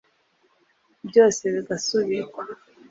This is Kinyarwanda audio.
byose bigasubikwa